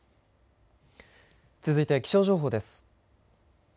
続いて気象情報です。